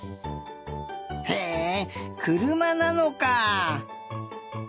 へえくるまなのか。